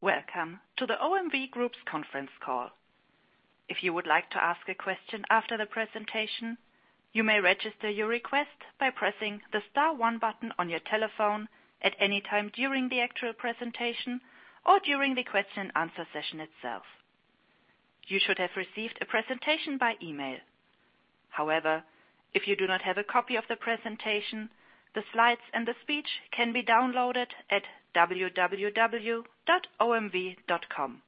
Welcome to the OMV Group's conference call. If you would like to ask a question after the presentation, you may register your request by pressing the star one button on your telephone at any time during the actual presentation or during the question and answer session itself. You should have received a presentation by email. However, if you do not have a copy of the presentation, the slides and the speech can be downloaded at www.omv.com.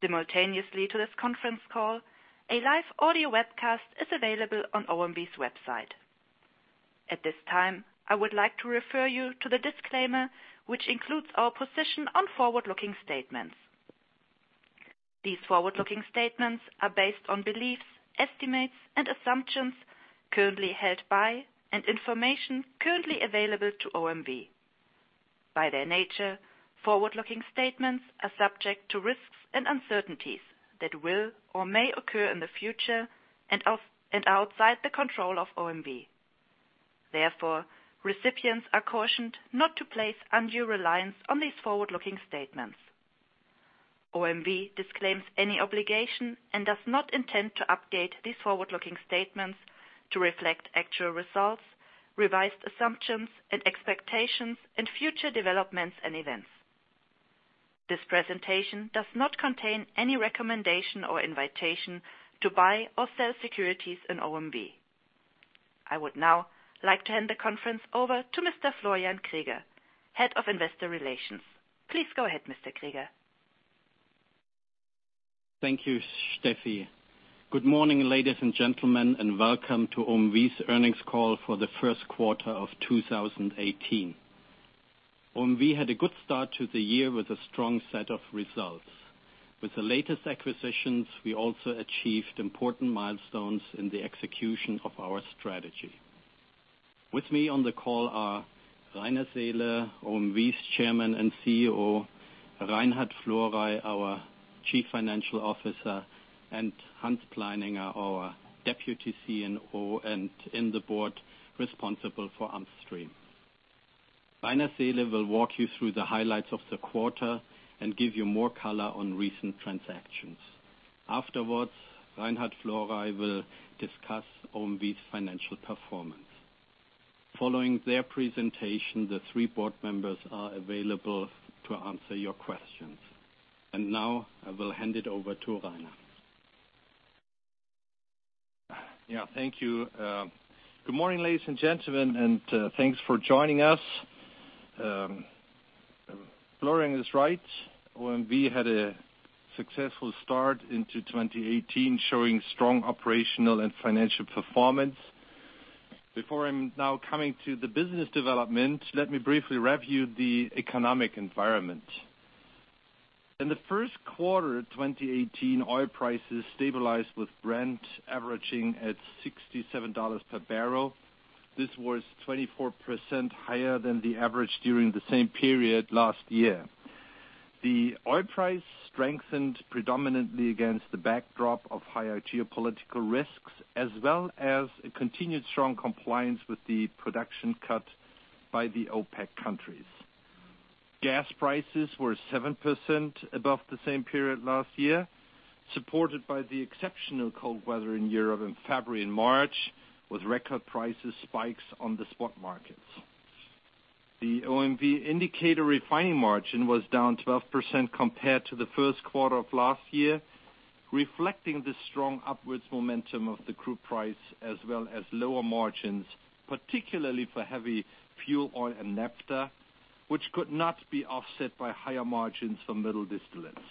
Simultaneously to this conference call, a live audio webcast is available on OMV's website. At this time, I would like to refer you to the disclaimer, which includes our position on forward-looking statements. These forward-looking statements are based on beliefs, estimates, and assumptions currently held by, and information currently available to OMV. By their nature, forward-looking statements are subject to risks and uncertainties that will or may occur in the future and outside the control of OMV. Therefore, recipients are cautioned not to place undue reliance on these forward-looking statements. OMV disclaims any obligation and does not intend to update these forward-looking statements to reflect actual results, revised assumptions and expectations, and future developments and events. This presentation does not contain any recommendation or invitation to buy or sell securities in OMV. I would now like to hand the conference over to Mr. Florian Kreis, Head of Investor Relations. Please go ahead, Mr. Kreis. Thank you, Steffi. Good morning, ladies and gentlemen, and welcome to OMV's earnings call for the first quarter of 2018. OMV had a good start to the year with a strong set of results. With the latest acquisitions, we also achieved important milestones in the execution of our strategy. With me on the call are Rainer Seele, OMV's Chairman and CEO, Reinhard Florey, our Chief Financial Officer, and Johann Pleininger, our Deputy CNO and in the board, responsible for Upstream. Rainer Seele will walk you through the highlights of the quarter and give you more color on recent transactions. Afterwards, Reinhard Florey will discuss OMV's financial performance. Following their presentation, the three board members are available to answer your questions. Now I will hand it over to Rainer. Yeah. Thank you. Good morning, ladies and gentlemen, and thanks for joining us. Florian is right, OMV had a successful start into 2018, showing strong operational and financial performance. Before I am now coming to the business development, let me briefly review the economic environment. In the first quarter 2018, oil prices stabilized with Brent averaging at $67 per barrel. This was 24% higher than the average during the same period last year. The oil price strengthened predominantly against the backdrop of higher geopolitical risks, as well as a continued strong compliance with the production cut by the OPEC countries. Gas prices were 7% above the same period last year, supported by the exceptional cold weather in Europe in February and March, with record prices spikes on the spot markets. The OMV indicator refining margin was down 12% compared to the first quarter of last year, reflecting the strong upwards momentum of the crude price, as well as lower margins, particularly for heavy fuel oil and naphtha, which could not be offset by higher margins for middle distillates.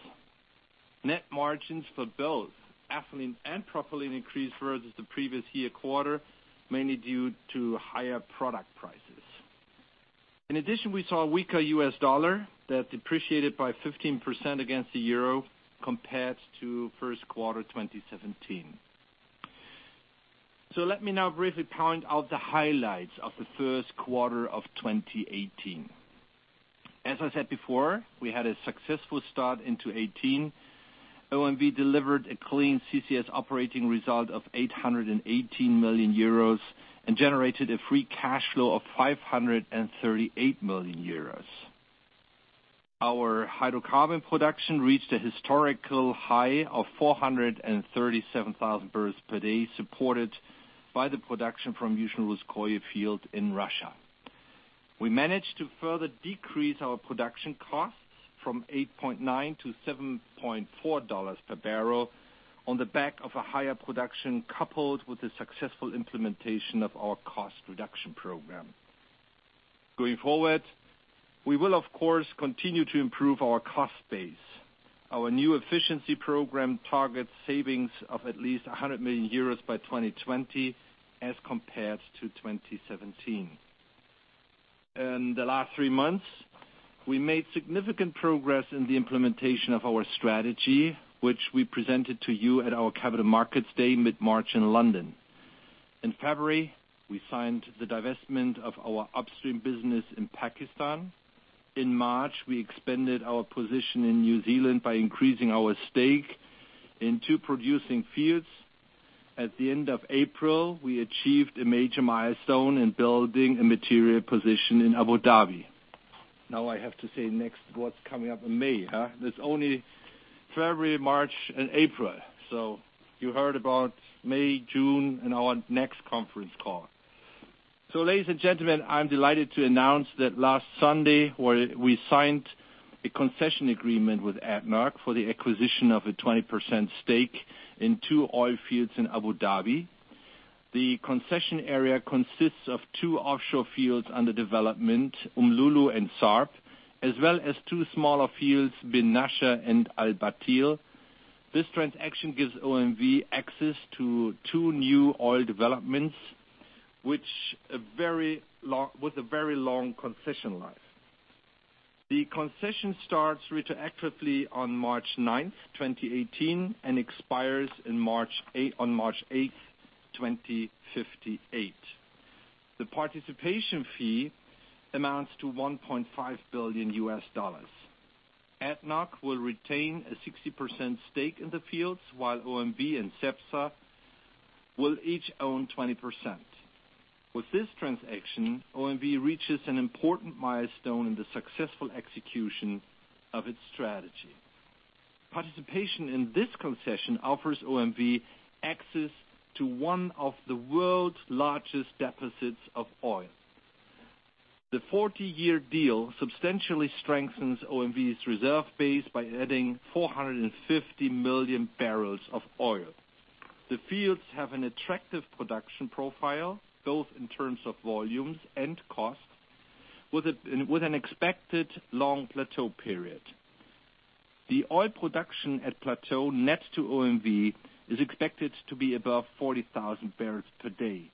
Net margins for both ethylene and propylene increased versus the previous year quarter, mainly due to higher product prices. In addition, we saw a weaker US dollar that depreciated by 15% against the euro compared to first quarter 2017. Let me now briefly point out the highlights of the first quarter of 2018. As I said before, we had a successful start into 2018. OMV delivered a clean CCS operating result of 818 million euros and generated a free cash flow of 538 million euros. Our hydrocarbon production reached a historical high of 437,000 barrels per day, supported by the production from Yuzhno-Russkoye field in Russia. We managed to further decrease our production costs from $8.90 to $7.40 per barrel on the back of a higher production, coupled with the successful implementation of our cost reduction program. Going forward, we will of course, continue to improve our cost base. Our new efficiency program targets savings of at least 100 million euros by 2020 as compared to 2017. In the last three months, we made significant progress in the implementation of our strategy, which we presented to you at our Capital Markets Day mid-March in London. In February, we signed the divestment of our upstream business in Pakistan. In March, we expanded our position in New Zealand by increasing our stake in two producing fields. At the end of April, we achieved a major milestone in building a material position in Abu Dhabi. I have to say next what's coming up in May, huh? There's only February, March, and April. You heard about May, June in our next conference call. Ladies and gentlemen, I'm delighted to announce that last Sunday, we signed a concession agreement with ADNOC for the acquisition of a 20% stake in two oil fields in Abu Dhabi. The concession area consists of two offshore fields under development, Umm Lulu and SARB, as well as two smaller fields, Bin Nasher and Al Bateel. This transaction gives OMV access to two new oil developments with a very long concession life. The concession starts retroactively on March 9th, 2018, and expires on March 8th, 2058. The participation fee amounts to $1.5 billion. ADNOC will retain a 60% stake in the fields while OMV and Cepsa will each own 20%. With this transaction, OMV reaches an important milestone in the successful execution of its strategy. Participation in this concession offers OMV access to one of the world's largest deposits of oil. The 40-year deal substantially strengthens OMV's reserve base by adding 450 million barrels of oil. The fields have an attractive production profile, both in terms of volumes and cost, with an expected long plateau period. The oil production at plateau net to OMV is expected to be above 40,000 barrels per day.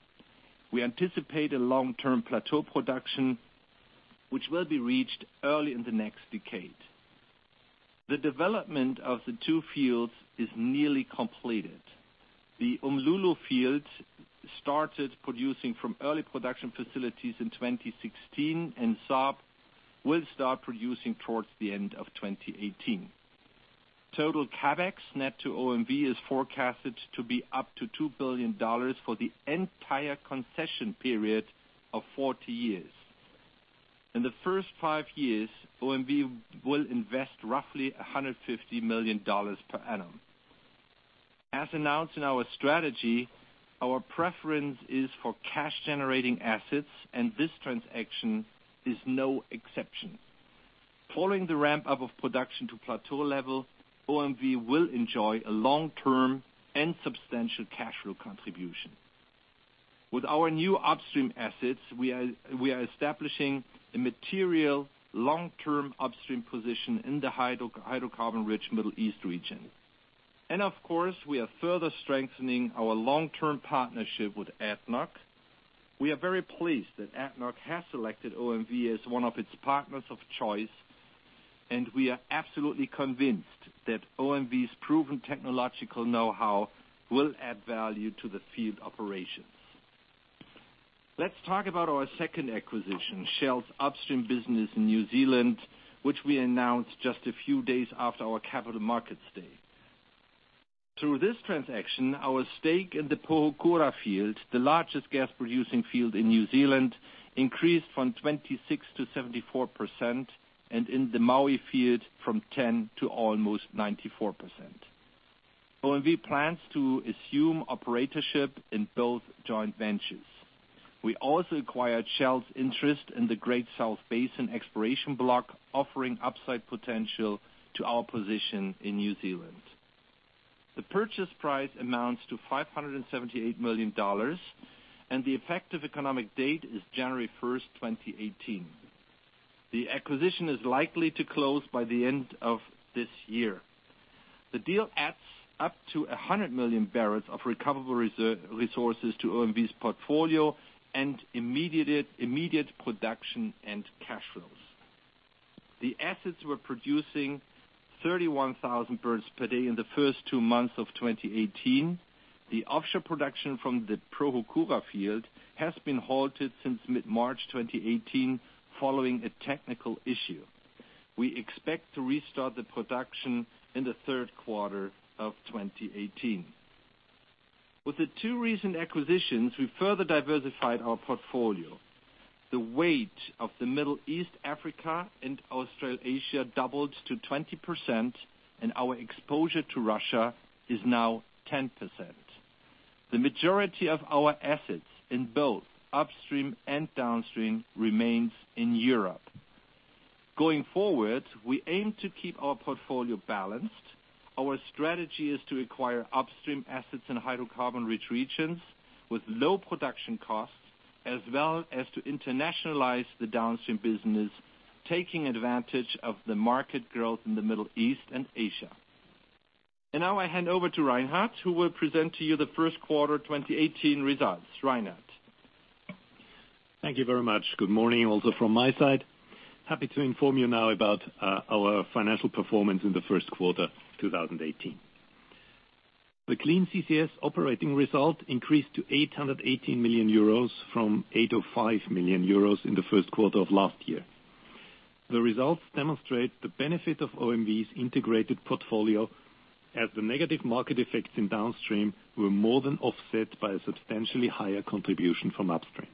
We anticipate a long-term plateau production which will be reached early in the next decade. The development of the two fields is nearly completed. The Umm Lulu field started producing from early production facilities in 2016, SARB will start producing towards the end of 2018. Total CapEx net to OMV is forecasted to be up to $2 billion for the entire concession period of 40 years. In the first five years, OMV will invest roughly $150 million per annum. As announced in our strategy, our preference is for cash-generating assets, this transaction is no exception. Following the ramp-up of production to plateau level, OMV will enjoy a long-term and substantial cash flow contribution. With our new upstream assets, we are establishing a material long-term upstream position in the hydrocarbon-rich Middle East region. Of course, we are further strengthening our long-term partnership with ADNOC. We are very pleased that ADNOC has selected OMV as one of its partners of choice, we are absolutely convinced that OMV's proven technological know-how will add value to the field operations. Let's talk about our second acquisition, Shell's upstream business in New Zealand, which we announced just a few days after our capital markets day. Through this transaction, our stake in the Pohokura field, the largest gas-producing field in New Zealand, increased from 26%-74%, and in the Maui field from 10%-94%. OMV plans to assume operatorship in both joint ventures. We also acquired Shell's interest in the Great South Basin exploration block, offering upside potential to our position in New Zealand. The purchase price amounts to $578 million, the effective economic date is January 1st, 2018. The acquisition is likely to close by the end of this year. The deal adds up to 100 million barrels of recoverable resources to OMV's portfolio and immediate production and cash flows. The assets were producing 31,000 barrels per day in the first two months of 2018. The offshore production from the Pohokura field has been halted since mid-March 2018 following a technical issue. We expect to restart the production in the third quarter of 2018. With the two recent acquisitions, we further diversified our portfolio. The weight of the Middle East, Africa, and Australasia doubled to 20%, our exposure to Russia is now 10%. The majority of our assets in both upstream and downstream remains in Europe. Going forward, we aim to keep our portfolio balanced. Our strategy is to acquire upstream assets in hydrocarbon-rich regions with low production costs, as well as to internationalize the downstream business, taking advantage of the market growth in the Middle East and Asia. Now I hand over to Reinhard, who will present to you the first quarter 2018 results. Reinhard. Thank you very much. Good morning also from my side. Happy to inform you now about our financial performance in the first quarter 2018. The clean CCS Operating Result increased to 818 million euros from 805 million euros in the first quarter of last year. The results demonstrate the benefit of OMV's integrated portfolio as the negative market effects in downstream were more than offset by a substantially higher contribution from upstream.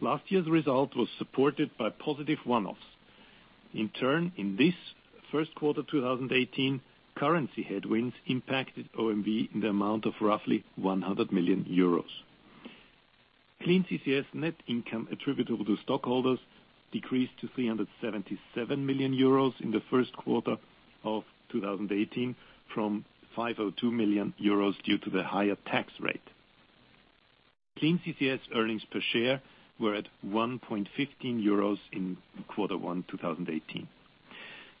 Last year's result was supported by positive one-offs. In this first quarter 2018, currency headwinds impacted OMV in the amount of roughly 100 million euros. Clean CCS net income attributable to stockholders decreased to 377 million euros in the first quarter of 2018 from 502 million euros due to the higher tax rate. Clean CCS earnings per share were at 1.15 euros in quarter one 2018.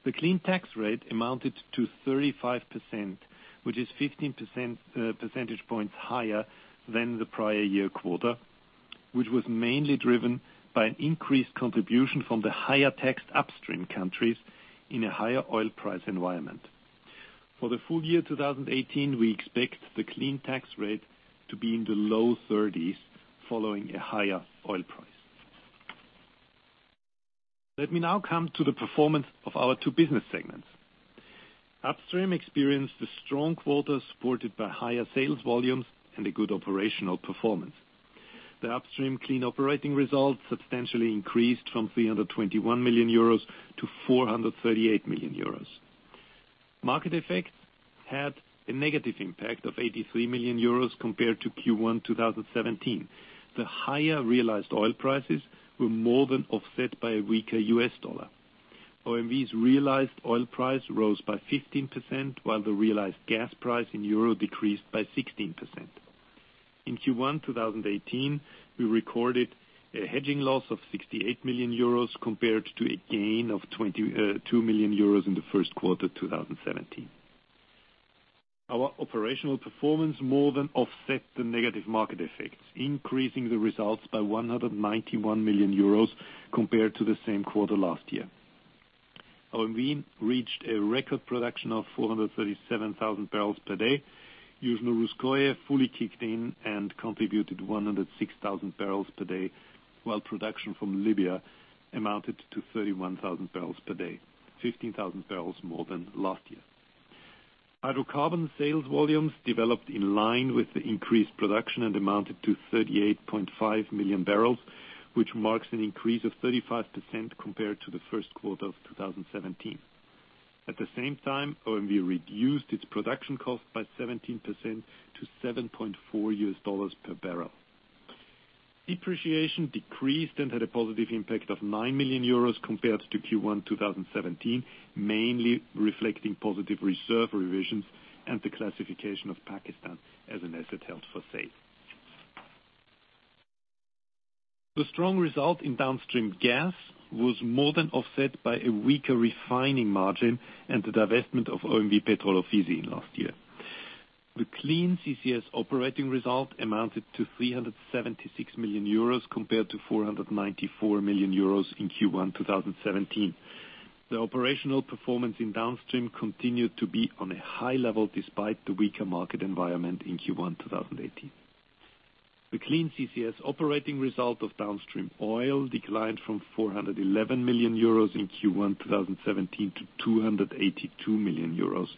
The clean tax rate amounted to 35%, which is 15 percentage points higher than the prior year quarter, which was mainly driven by an increased contribution from the higher taxed upstream countries in a higher oil price environment. For the full year 2018, we expect the clean tax rate to be in the low 30s following a higher oil price. Let me now come to the performance of our two business segments. Upstream experienced a strong quarter supported by higher sales volumes and a good operational performance. The upstream clean operating results substantially increased from 321 million euros to 438 million euros. Market effects had a negative impact of 83 million euros compared to Q1 2017. The higher realized oil prices were more than offset by a weaker US dollar. OMV's realized oil price rose by 15%, while the realized gas price in EUR decreased by 16%. In Q1 2018, we recorded a hedging loss of 68 million euros compared to a gain of 22 million euros in the first quarter 2017. Our operational performance more than offset the negative market effects, increasing the results by 191 million euros compared to the same quarter last year. OMV reached a record production of 437,000 barrels per day. Yuzhno-Russkoye fully kicked in and contributed 106,000 barrels per day, while production from Libya amounted to 31,000 barrels per day, 15,000 barrels more than last year. Hydrocarbon sales volumes developed in line with the increased production and amounted to 38.5 million barrels, which marks an increase of 35% compared to the first quarter of 2017. At the same time, OMV reduced its production cost by 17% to $7.4 per barrel. Depreciation decreased and had a positive impact of 9 million euros compared to Q1 2017, mainly reflecting positive reserve revisions and the classification of Pakistan as an asset held for sale. The strong result in downstream gas was more than offset by a weaker refining margin and the divestment of OMV Petrol Ofisi last year. The clean CCS Operating Result amounted to 376 million euros compared to 494 million euros in Q1 2017. The operational performance in downstream continued to be on a high level despite the weaker market environment in Q1 2018. The clean CCS Operating Result of downstream oil declined from 411 million euros in Q1 2017 to 282 million euros.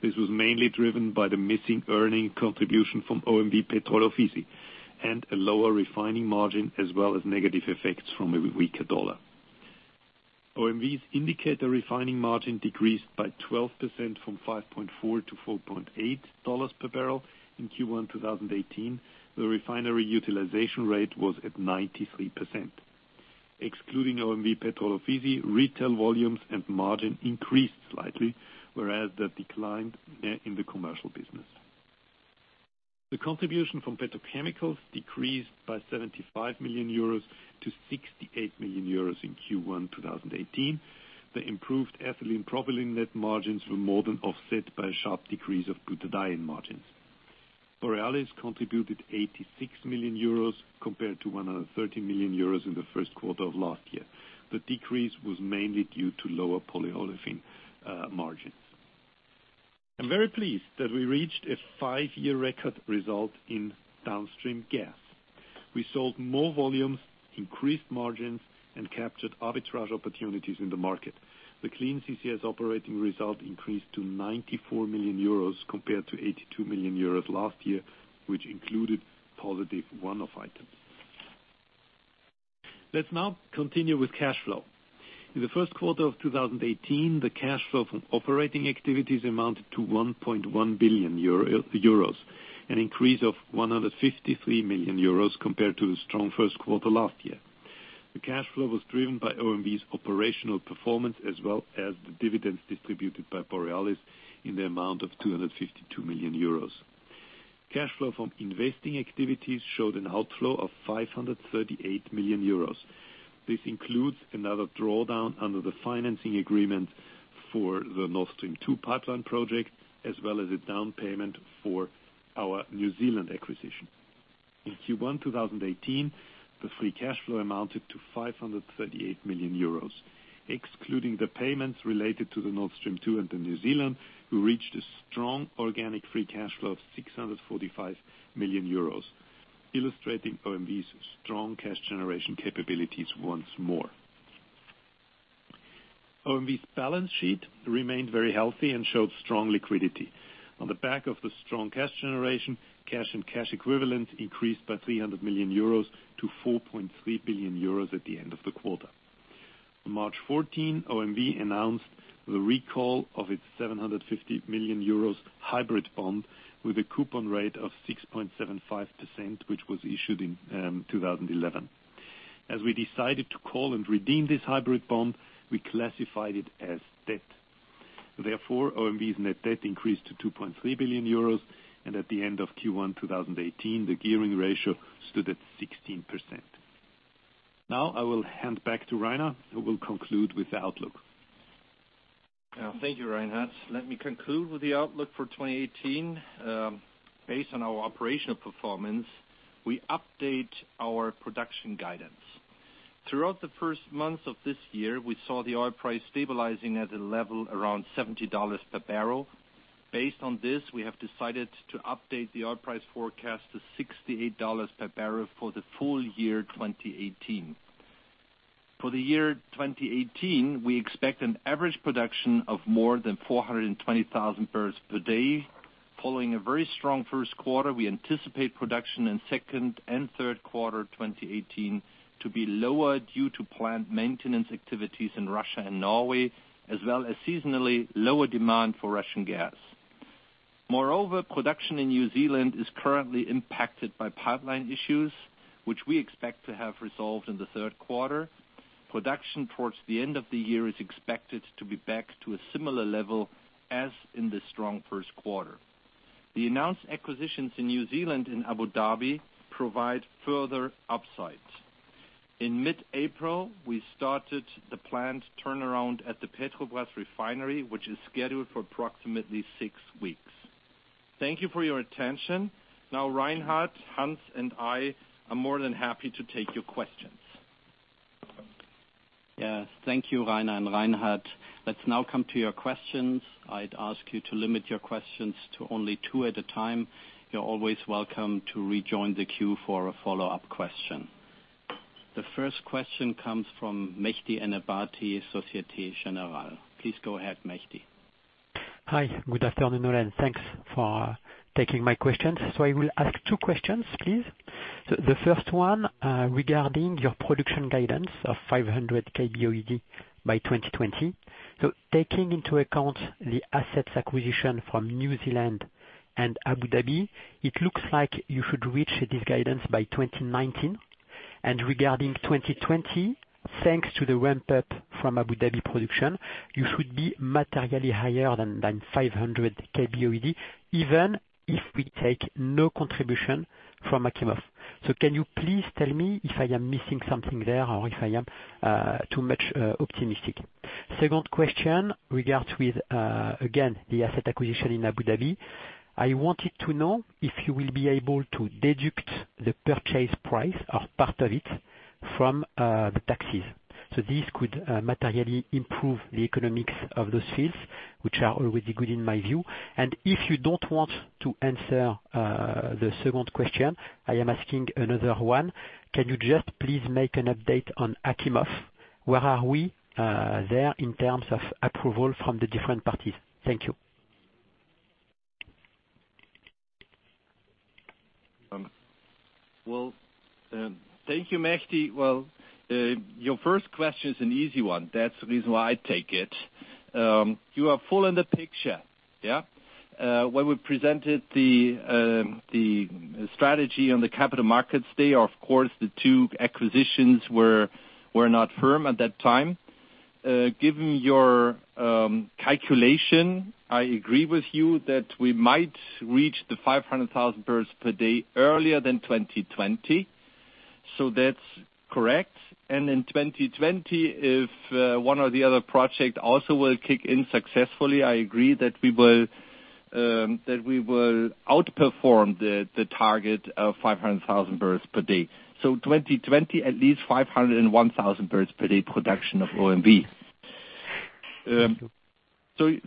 This was mainly driven by the missing earning contribution from OMV Petrol Ofisi and a lower refining margin as well as negative effects from a weaker dollar. OMV's indicator refining margin decreased by 12% from 5.4 to $4.8 per barrel in Q1 2018. The refinery utilization rate was at 93%. Excluding OMV Petrol Ofisi, retail volumes and margin increased slightly, whereas they declined in the commercial business. The contribution from petrochemicals decreased by 75 million euros to 68 million euros in Q1 2018. The improved ethylene propylene net margins were more than offset by a sharp decrease of butadiene margins. Borealis contributed 86 million euros compared to 130 million euros in the first quarter of last year. The decrease was mainly due to lower polyolefin margins. I'm very pleased that we reached a five-year record result in downstream gas. We sold more volumes, increased margins, and captured arbitrage opportunities in the market. The clean CCS Operating Result increased to 94 million euros compared to 82 million euros last year, which included positive one-off items. Let's now continue with cash flow. In the first quarter of 2018, the cash flow from operating activities amounted to 1.1 billion euros, an increase of 153 million euros compared to the strong first quarter last year. The cash flow was driven by OMV's operational performance as well as the dividends distributed by Borealis in the amount of 252 million euros. Cash flow from investing activities showed an outflow of 538 million euros. This includes another drawdown under the financing agreement for the Nord Stream 2 pipeline project, as well as a down payment for our New Zealand acquisition. In Q1 2018, the free cash flow amounted to 538 million euros. Excluding the payments related to the Nord Stream 2 and the New Zealand, we reached a strong organic free cash flow of 645 million euros. Illustrating OMV's strong cash generation capabilities once more. OMV's balance sheet remained very healthy and showed strong liquidity. On the back of the strong cash generation, cash and cash equivalents increased by 300 million euros to 4.3 billion euros at the end of the quarter. On March 14, OMV announced the recall of its 750 million euros hybrid bond with a coupon rate of 6.75%, which was issued in 2011. As we decided to call and redeem this hybrid bond, we classified it as debt. OMV's net debt increased to 2.3 billion euros, and at the end of Q1 2018, the gearing ratio stood at 16%. I will hand back to Rainer, who will conclude with the outlook. Thank you, Reinhard. Let me conclude with the outlook for 2018. Based on our operational performance, we update our production guidance. Throughout the first months of this year, we saw the oil price stabilizing at a level around $70 per barrel. Based on this, we have decided to update the oil price forecast to $68 per barrel for the full year 2018. For the year 2018, we expect an average production of more than 420,000 barrels per day. Following a very strong first quarter, we anticipate production in second and third quarter 2018 to be lower due to plant maintenance activities in Russia and Norway, as well as seasonally lower demand for Russian gas. Production in New Zealand is currently impacted by pipeline issues, which we expect to have resolved in the third quarter. Production towards the end of the year is expected to be back to a similar level as in the strong first quarter. The announced acquisitions in New Zealand and Abu Dhabi provide further upsides. In mid-April, we started the planned turnaround at the Petrobrazi refinery, which is scheduled for approximately six weeks. Thank you for your attention. Now, Reinhard, Johann, and I are more than happy to take your questions. Yes. Thank you, Rainer and Reinhard. Let's now come to your questions. I'd ask you to limit your questions to only two at a time. You're always welcome to rejoin the queue for a follow-up question. The first question comes from Mehdi Ennebati, Société Générale. Please go ahead, Mehdi. Hi. Good afternoon, and thanks for taking my questions. I will ask two questions, please. The first one, regarding your production guidance of 500 kboe/d by 2020. Taking into account the assets acquisition from New Zealand and Abu Dhabi, it looks like you should reach this guidance by 2019. Regarding 2020, thanks to the ramp-up from Abu Dhabi production, you should be materially higher than 500 kboe/d, even if we take no contribution from Achimov. Can you please tell me if I am missing something there, or if I am too much optimistic? Second question, regards with, again, the asset acquisition in Abu Dhabi. I wanted to know if you will be able to deduct the purchase price or part of it from the taxes. This could materially improve the economics of those fields, which are already good in my view. If you don't want to answer the second question, I am asking another one. Can you just please make an update on Achimov? Where are we there in terms of approval from the different parties? Thank you. Well, thank you, Mehdi. Well, your first question is an easy one. That's the reason why I take it. You are full in the picture. Yeah? When we presented the strategy on the capital markets day, of course, the two acquisitions were not firm at that time. Given your calculation, I agree with you that we might reach the 500,000 barrels per day earlier than 2020, so that's correct. In 2020, if one or the other project also will kick in successfully, I agree that we will outperform the target of 500,000 barrels per day. 2020, at least 501,000 barrels per day production of OMV. Thank you.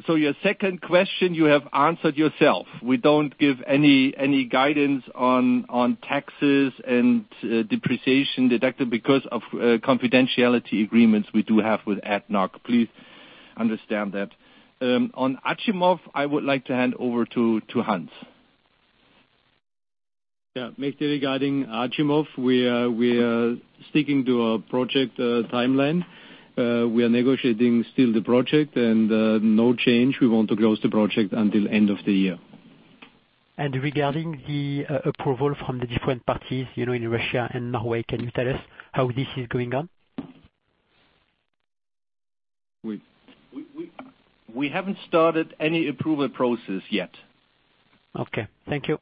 Your second question, you have answered yourself. We don't give any guidance on taxes and depreciation deducted because of confidentiality agreements we do have with ADNOC. Please understand that. On Achimov, I would like to hand over to Hans. Yeah. Mehdi, regarding Achimov, we are sticking to our project timeline. We are negotiating still the project, and no change. We want to close the project until end of the year. Regarding the approval from the different parties in Russia and Norway, can you tell us how this is going on? We haven't started any approval process yet. Okay. Thank you.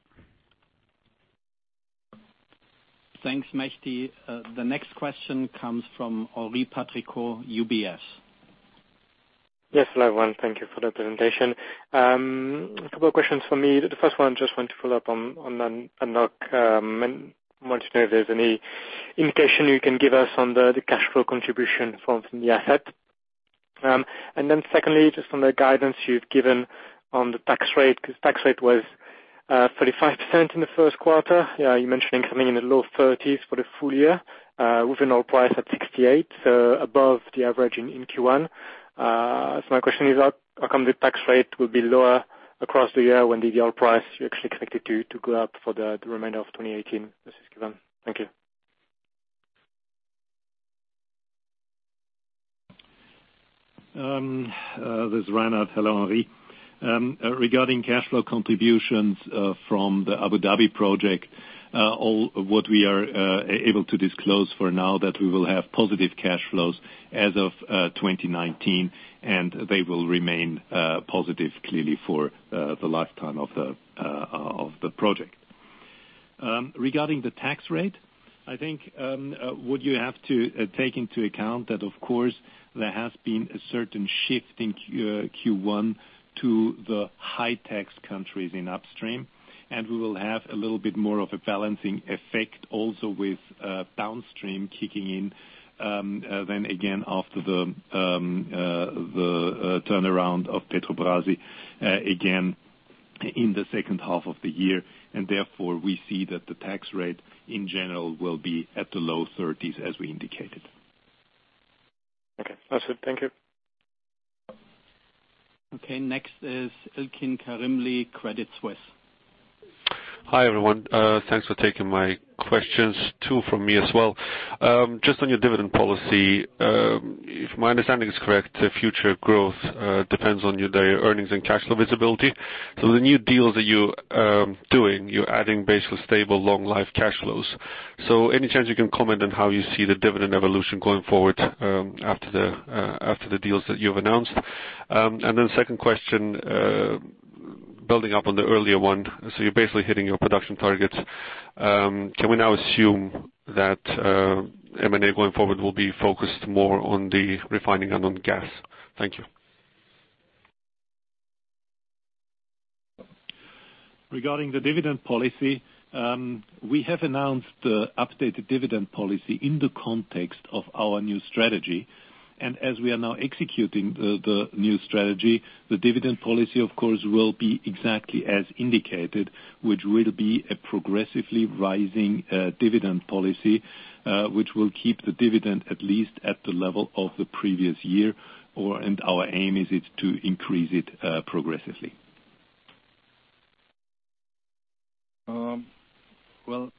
Thanks, Mehdi. The next question comes from Henri Patricot, UBS. Yes, hello, everyone. Thank you for the presentation. A couple questions from me. The first one, want to follow up on ADNOC. Want to know if there's any indication you can give us on the cash flow contribution from the asset. Secondly, on the guidance you've given on the tax rate, because tax rate was 35% in the first quarter. You're mentioning something in the low 30s for the full year, with an oil price at 68, so above the average in Q1. My question is, how come the tax rate will be lower across the year when the oil price you actually expect it to go up for the remainder of 2018 as is given? Thank you. This is Reinhard. Hello, Henri. Regarding cash flow contributions from the Abu Dhabi project, all what we are able to disclose for now that we will have positive cash flows as of 2019, and they will remain positive clearly for the lifetime of the project. Regarding the tax rate, I think what you have to take into account that, of course, there has been a certain shift in Q1 to the high-tax countries in upstream, and we will have a little bit more of a balancing effect also with downstream kicking in. Again, after the turnaround of Petrobrazi, again, in the second half of the year. We see that the tax rate in general will be at the low 30s as we indicated. Okay. That's it. Thank you. Okay, next is Ilkin Karimli, Credit Suisse. Hi, everyone. Thanks for taking my questions. Two from me as well. Just on your dividend policy. If my understanding is correct, future growth depends on your daily earnings and cash flow visibility. The new deals that you're doing, you're adding basically stable long life cash flows. Any chance you can comment on how you see the dividend evolution going forward after the deals that you've announced? Second question, building up on the earlier one, you're basically hitting your production targets. Can we now assume that M&A going forward will be focused more on the refining and on gas? Thank you. Regarding the dividend policy, we have announced the updated dividend policy in the context of our new strategy. As we are now executing the new strategy, the dividend policy, of course, will be exactly as indicated, which will be a progressively rising dividend policy. Which will keep the dividend at least at the level of the previous year, and our aim is it to increase it progressively. Well,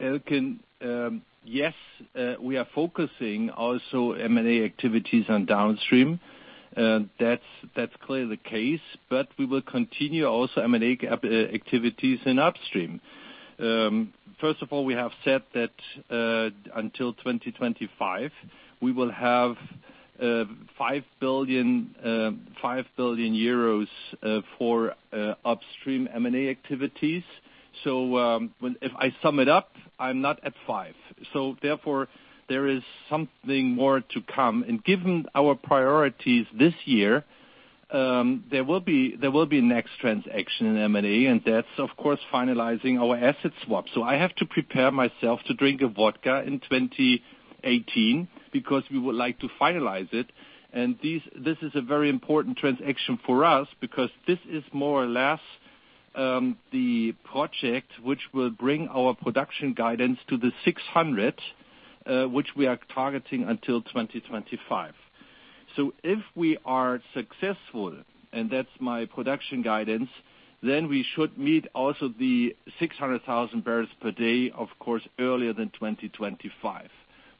Ilkin, yes, we are focusing also M&A activities on downstream. That's clearly the case, but we will continue also M&A activities in upstream. First of all, we have said that until 2025, we will have 5 billion euros for upstream M&A activities. If I sum it up, I'm not at 5. Therefore, there is something more to come. Given our priorities this year, there will be a next transaction in M&A, and that's of course finalizing our asset swap. I have to prepare myself to drink a vodka in 2018 because we would like to finalize it. This is a very important transaction for us because this is more or less the project which will bring our production guidance to the 600, which we are targeting until 2025. If we are successful, and that's my production guidance, then we should meet also the 600,000 barrels per day, of course, earlier than 2025.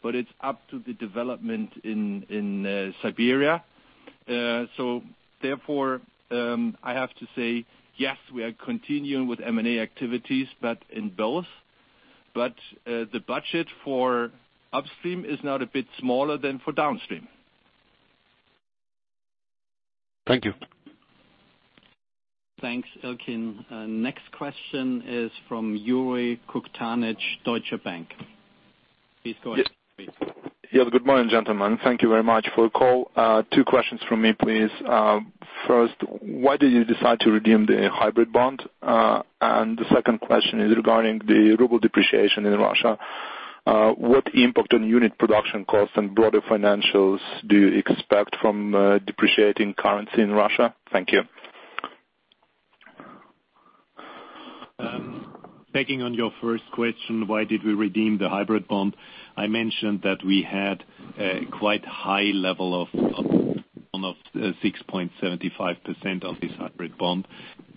It's up to the development in Siberia. I have to say, yes, we are continuing with M&A activities, but in both. The budget for upstream is now a bit smaller than for downstream. Thank you. Thanks, Ilkin. Next question is from Yuri Koktanich, Deutsche Bank. Please go ahead. Yes. Good morning, gentlemen. Thank you very much for the call. Two questions from me, please. First, why did you decide to redeem the hybrid bond? The second question is regarding the ruble depreciation in Russia. What impact on unit production costs and broader financials do you expect from depreciating currency in Russia? Thank you. Picking on your first question, why did we redeem the hybrid bond? I mentioned that we had a quite high level of 6.75% of this hybrid bond.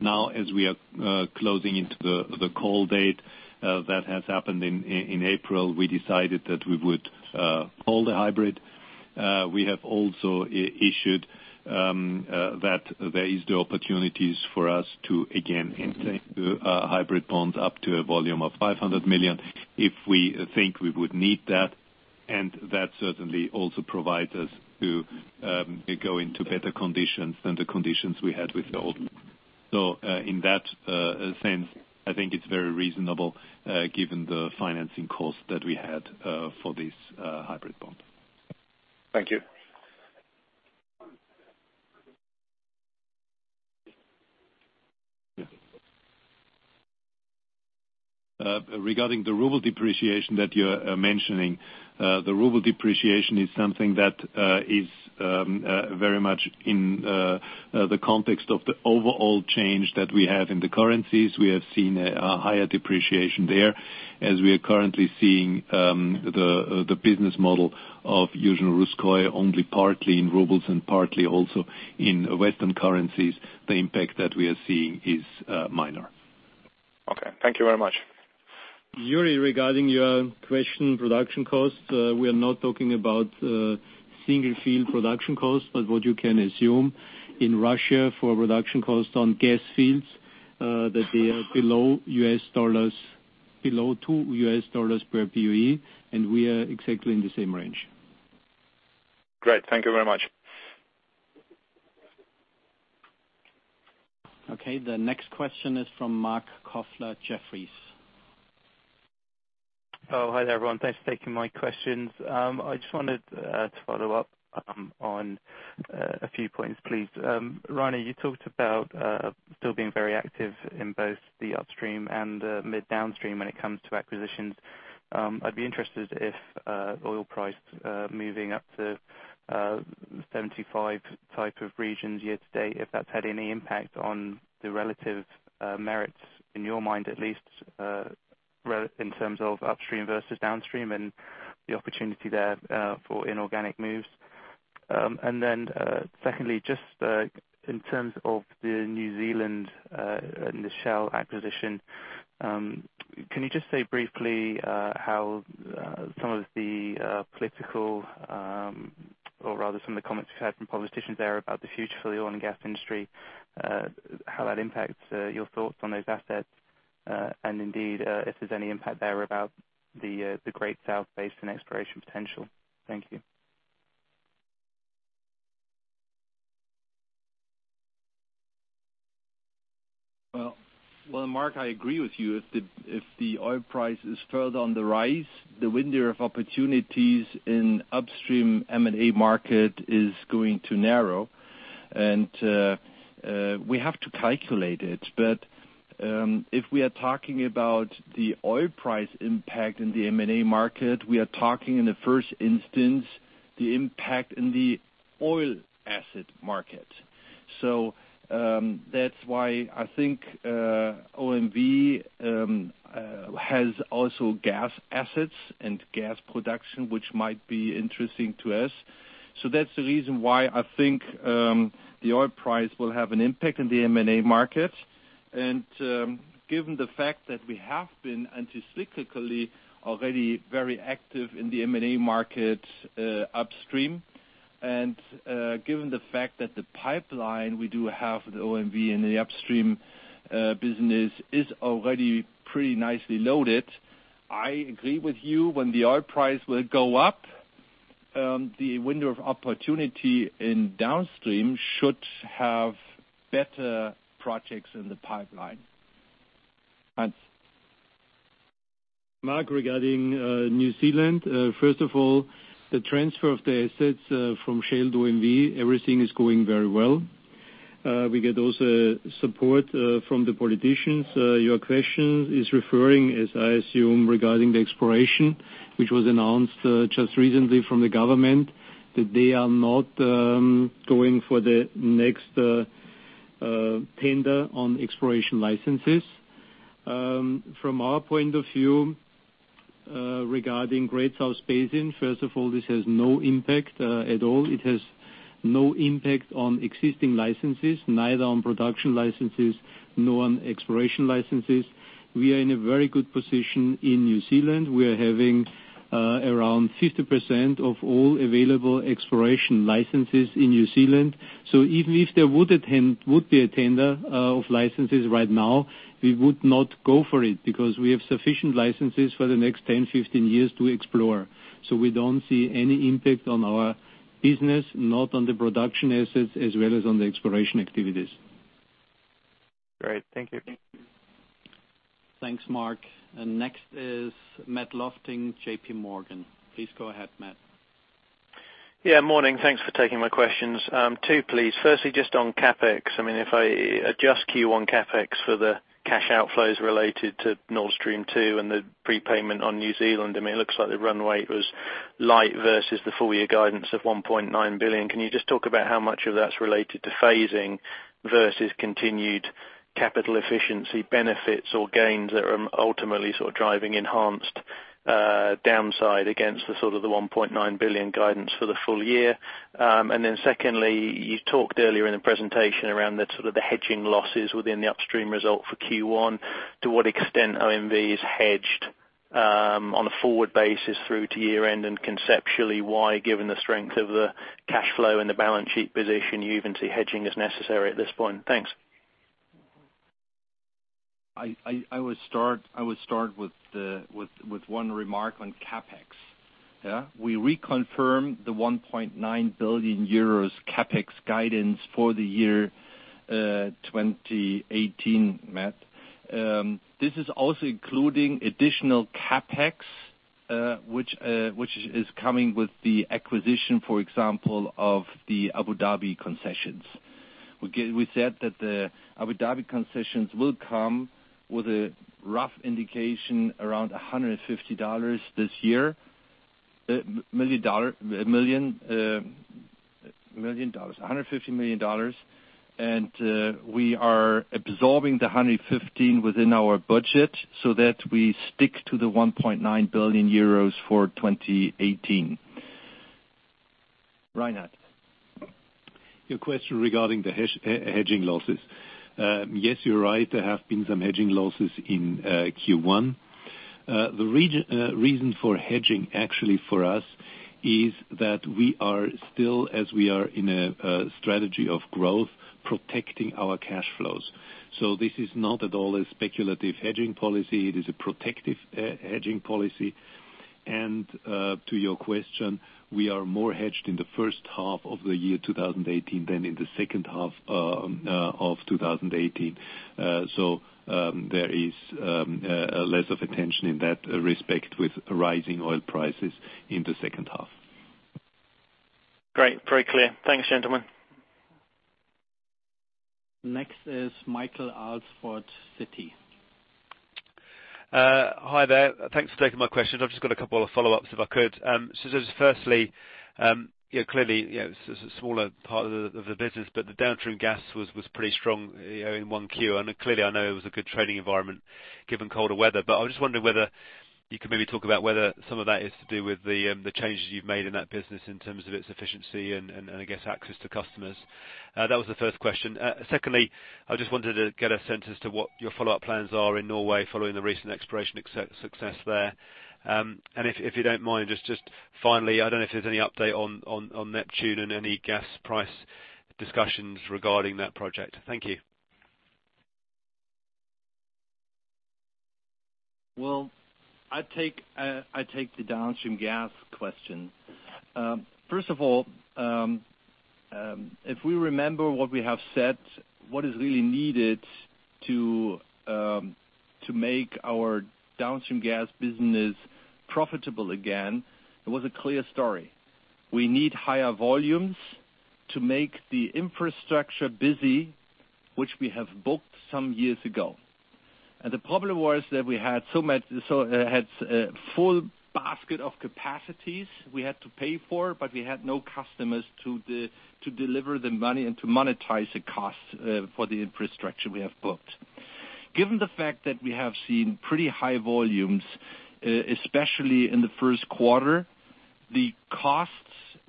Now, as we are closing into the call date that has happened in April, we decided that we would hold the hybrid. We have also issued that there is the opportunities for us to, again, enhance the hybrid bond up to a volume of 500 million if we think we would need that. That certainly also provides us to go into better conditions than the conditions we had with the old one. In that sense, I think it's very reasonable given the financing cost that we had for this hybrid bond. Thank you. Regarding the ruble depreciation that you're mentioning. The ruble depreciation is something that is very much in the context of the overall change that we have in the currencies. We have seen a higher depreciation there. As we are currently seeing the business model of Yuzhno-Russkoye only partly in rubles and partly also in Western currencies, the impact that we are seeing is minor. Okay. Thank you very much. Yuri, regarding your question, production costs, we are not talking about single field production costs, but what you can assume in Russia for production costs on gas fields, that they are below $2 per BOE, and we are exactly in the same range. Great. Thank you very much. Okay. The next question is from Mark Kofler, Jefferies. Hi there, everyone. Thanks for taking my questions. I just wanted to follow up on a few points, please. Rainer, you talked about still being very active in both the upstream and mid-downstream when it comes to acquisitions. I'd be interested if oil price moving up to 75 type of regions year to date, if that's had any impact on the relative merits in your mind at least, in terms of upstream versus downstream and the opportunity there for inorganic moves. Secondly, just in terms of the New Zealand and the Shell acquisition, can you just say briefly how some of the political or rather some of the comments we've had from politicians there about the future for the oil and gas industry, how that impacts your thoughts on those assets? And indeed, if there's any impact there about the Great South Basin exploration potential. Thank you. Well, Mark, I agree with you. If the oil price is further on the rise, the window of opportunities in upstream M&A market is going to narrow. We have to calculate it. If we are talking about the oil price impact in the M&A market, we are talking in the first instance, the impact in the oil asset market. That's why I think OMV has also gas assets and gas production, which might be interesting to us. That's the reason why I think the oil price will have an impact on the M&A market. Given the fact that we have been anti-cyclically already very active in the M&A market upstream, given the fact that the pipeline we do have with OMV in the upstream business is already pretty nicely loaded. I agree with you, when the oil price will go up, the window of opportunity in downstream should have better projects in the pipeline. Hans. Mark, regarding New Zealand, first of all, the transfer of the assets from Shell to OMV, everything is going very well. We get also support from the politicians. Your question is referring, as I assume, regarding the exploration, which was announced just recently from the government, that they are not going for the next tender on exploration licenses. From our point of view, regarding Great South Basin, first of all, this has no impact at all. It has no impact on existing licenses, neither on production licenses nor on exploration licenses. We are in a very good position in New Zealand. We are having around 50% of all available exploration licenses in New Zealand. Even if there would be a tender of licenses right now, we would not go for it because we have sufficient licenses for the next 10, 15 years to explore. We don't see any impact on our business, not on the production assets, as well as on the exploration activities. Great. Thank you. Thanks, Mark. Next is Matthew Lofting, J.P. Morgan. Please go ahead, Matt. Morning. Thanks for taking my questions. Two, please. Firstly, just on CapEx, if I adjust Q1 CapEx for the cash outflows related to Nord Stream 2 and the prepayment on New Zealand, it looks like the runway was light versus the full-year guidance of 1.9 billion. Can you just talk about how much of that's related to phasing versus continued capital efficiency benefits or gains that are ultimately driving enhanced downside against the 1.9 billion guidance for the full year? Secondly, you talked earlier in the presentation around the hedging losses within the upstream result for Q1. To what extent OMV is hedged on a forward basis through to year-end, and conceptually, why, given the strength of the cash flow and the balance sheet position, you even see hedging as necessary at this point? Thanks. I would start with one remark on CapEx. We reconfirm the 1.9 billion euros CapEx guidance for the year 2018, Matt. This is also including additional CapEx Which is coming with the acquisition, for example, of the Abu Dhabi concessions. We said that the Abu Dhabi concessions will come with a rough indication around $150 million this year. We are absorbing the 115 million within our budget, so that we stick to the 1.9 billion euros for 2018. Reinhard? Your question regarding the hedging losses. Yes, you're right. There have been some hedging losses in Q1. The reason for hedging actually for us is that we are still, as we are in a strategy of growth, protecting our cash flows. This is not at all a speculative hedging policy. It is a protective hedging policy. To your question, we are more hedged in the first half of the year 2018 than in the second half of 2018. There is less of attention in that respect with rising oil prices in the second half. Great. Very clear. Thanks, gentlemen. Next is Michael Alsford, Citi. Hi there. Thanks for taking my questions. I've just got a couple of follow-ups if I could. Just firstly, clearly, it's a smaller part of the business, but the downstream gas was pretty strong in Q1. Clearly, I know it was a good trading environment given colder weather. I was just wondering whether you could maybe talk about whether some of that is to do with the changes you've made in that business in terms of its efficiency and, I guess, access to customers. That was the first question. Secondly, I just wanted to get a sense as to what your follow-up plans are in Norway following the recent exploration success there. If you don't mind, just finally, I don't know if there's any update on Neptun Deep and any gas price discussions regarding that project. Thank you. Well, I take the downstream gas question. First of all, if we remember what we have said, what is really needed to make our downstream gas business profitable again, it was a clear story. We need higher volumes to make the infrastructure busy, which we have booked some years ago. The problem was that we had a full basket of capacities we had to pay for, but we had no customers to deliver the money and to monetize the cost for the infrastructure we have booked. Given the fact that we have seen pretty high volumes, especially in the first quarter, the costs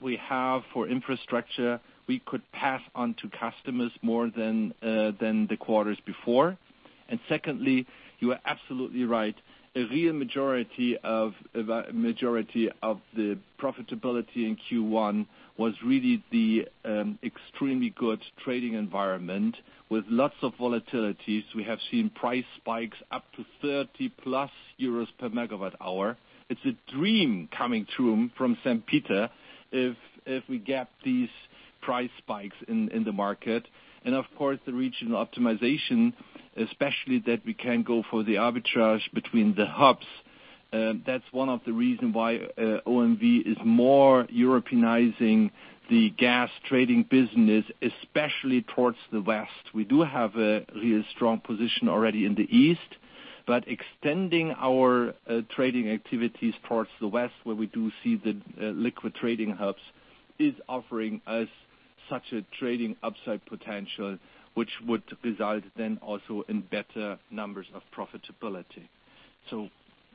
we have for infrastructure, we could pass on to customers more than the quarters before. Secondly, you are absolutely right. A real majority of the profitability in Q1 was really the extremely good trading environment with lots of volatilities. We have seen price spikes up to 30-plus euros per megawatt hour. It's a dream coming true from St. Peter if we get these price spikes in the market. Of course, the regional optimization, especially that we can go for the arbitrage between the hubs. That's one of the reasons why OMV is more Europeanizing the gas trading business, especially towards the West. We do have a really strong position already in the East, but extending our trading activities towards the West, where we do see the liquid trading hubs, is offering us such a trading upside potential, which would result then also in better numbers of profitability.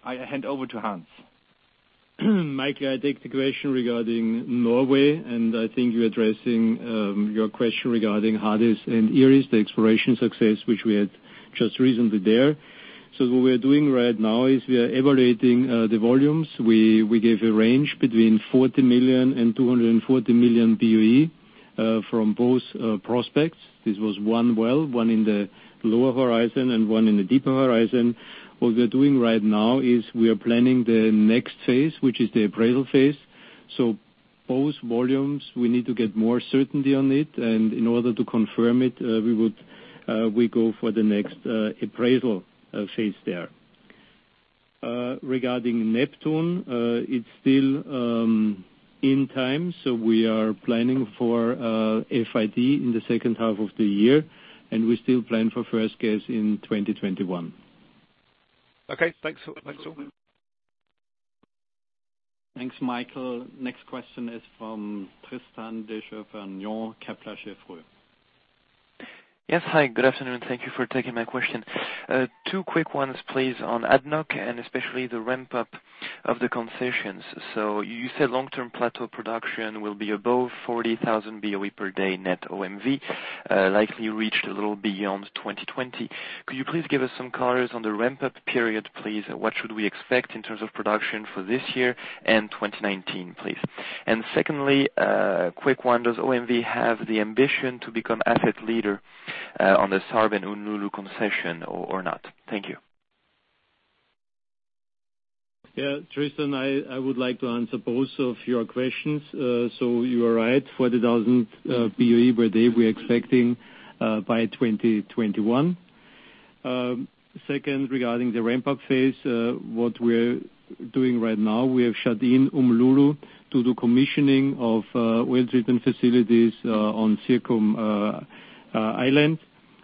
I hand over to Hans. Michael, I take the question regarding Norway, and I think you're addressing your question regarding Hades and Iris, the exploration success, which we had just recently there. What we are doing right now is we are evaluating the volumes. We gave a range between 40 million and 240 million BOE from both prospects. This was one well, one in the lower horizon and one in the deeper horizon. What we are doing right now is we are planning the next phase, which is the appraisal phase. Both volumes, we need to get more certainty on it, and in order to confirm it, we go for the next appraisal phase there. Regarding Neptun, it's still in time, so we are planning for FID in the second half of the year, and we still plan for first gas in 2021. Okay, thanks all. Thanks, Michael. Next question is from Tristan Decheverny, Kepler Cheuvreux. Yes. Hi, good afternoon. Thank you for taking my question. Two quick ones, please, on ADNOC and especially the ramp-up of the concessions. You said long-term plateau production will be above 40,000 BOE per day net OMV, likely reached a little beyond 2020. Could you please give us some colors on the ramp-up period, please? What should we expect in terms of production for this year and 2019, please? Secondly, a quick one. Does OMV have the ambition to become asset leader on the SARB and Umm Lulu concession or not? Thank you. Tristan, I would like to answer both of your questions. You are right, 40,000 BOE per day we are expecting by 2021. Second, regarding the ramp-up phase, what we are doing right now, we have shut in Umm Lulu to do commissioning of oil treatment facilities on Zirku Island.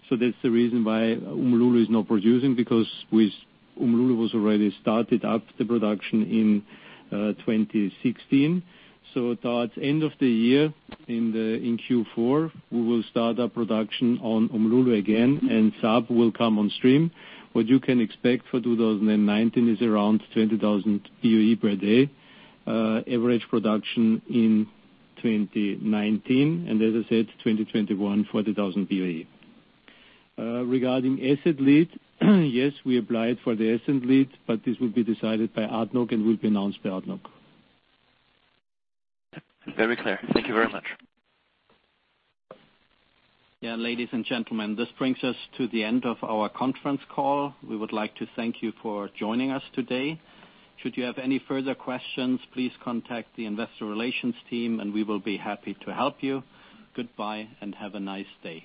That's the reason why Umm Lulu is not producing, because Umm Lulu was already started up the production in 2016. Towards end of the year in Q4, we will start up production on Umm Lulu again, and Sarb will come on stream. What you can expect for 2019 is around 20,000 BOE per day average production in 2019. As I said, 2021, 40,000 BOE. Regarding asset lead, yes, we applied for the asset lead, but this will be decided by ADNOC and will be announced by ADNOC. Very clear. Thank you very much. Yeah, ladies and gentlemen, this brings us to the end of our conference call. We would like to thank you for joining us today. Should you have any further questions, please contact the investor relations team and we will be happy to help you. Goodbye and have a nice day.